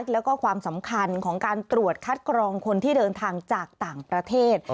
แล้วก็ความสำคัญของการตรวจคัดกรองคนที่เดินทางจากต่างประเทศ